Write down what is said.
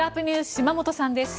島本さんです。